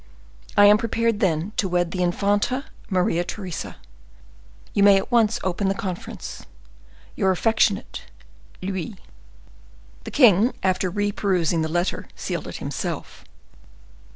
I am prepared, then, to wed the infanta, Maria Theresa. You may at once open the conference.—Your affectionate LOUIS." The king, after reperusing the letter, sealed it himself.